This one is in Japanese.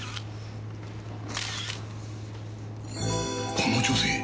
この女性。